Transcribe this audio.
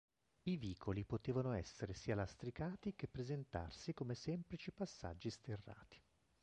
I vicoli potevano essere sia lastricati che presentarsi come semplici passaggi sterrati.